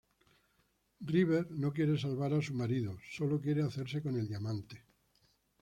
River no quiere salvar a su marido, solo quiere hacerse con el diamante.